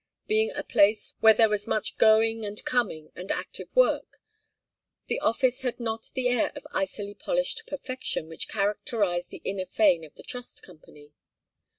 Being a place where there was much going and coming and active work, the office had not the air of icily polished perfection which characterized the inner fane of the Trust Company.